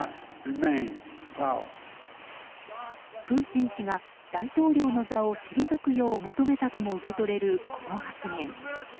プーチン氏が大統領の座を退くよう求めたともとれるこの発言。